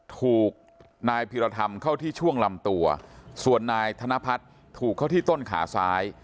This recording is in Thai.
ถูกนายพิรธรรมเข้าที่ช่วงลำตัวส่วนนายธนพัฒน์ถูกเข้าที่ต้นขาซ้าย